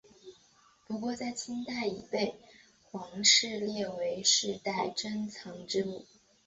不过在清代已被皇室列为世代珍藏之物。